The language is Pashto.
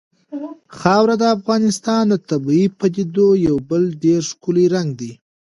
خاوره د افغانستان د طبیعي پدیدو یو بل ډېر ښکلی رنګ دی.